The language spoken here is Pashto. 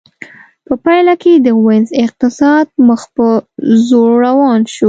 په پایله کې د وینز اقتصاد مخ په ځوړ روان شو